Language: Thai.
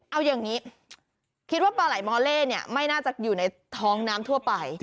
เอาอย่างนี้คิดว่าปลาไหลมอเล่เนี่ยไม่น่าจะอยู่ในท้องน้ำทั่วไป